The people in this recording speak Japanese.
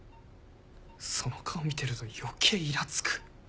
その顔見てると余計いらつく。